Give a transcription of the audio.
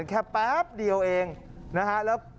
ขอบคุณครับ